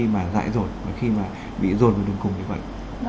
mà dại dột khi mà bị dồn vào đường cùng như vậy